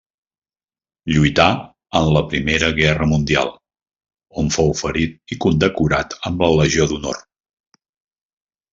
Lluità a la Primera Guerra Mundial, on fou ferit i condecorat amb la Legió d'Honor.